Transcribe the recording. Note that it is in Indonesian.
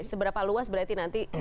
seberapa luas berarti nanti